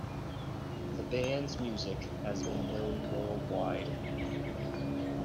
The band's music has been known worldwide.